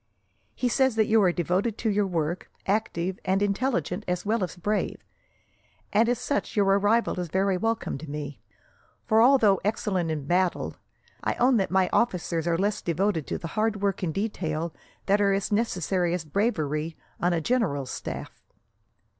He says that you are devoted to your work, active and intelligent as well as brave; and as such your arrival is very welcome to me, for although excellent in battle, I own that my officers are less devoted to the hard work and detail that are as necessary as bravery on a general's staff.